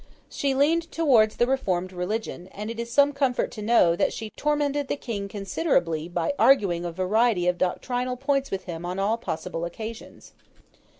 She leaned towards the reformed religion; and it is some comfort to know, that she tormented the King considerably by arguing a variety of doctrinal points with him on all possible occasions.